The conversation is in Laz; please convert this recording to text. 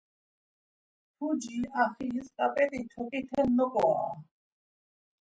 Puci axiris ǩap̌et̆i toǩite noǩorare.